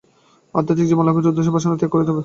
আধ্যাত্মিক জীবন লাভের জন্য বাসনা ত্যাগ করিতে হইবে।